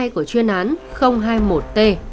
của chuyên án hai mươi một t